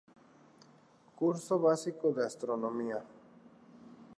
Curso básico de astronomía.